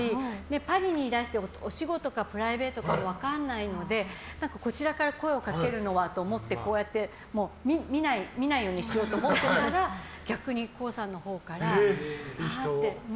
パリにいらしてお仕事かプライベートか分からないので、こちらから声をかけるのはと思ってこうやって見ないようにしようと思ってたら逆にコウさんのほうからわーって。